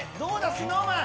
ＳｎｏｗＭａｎ。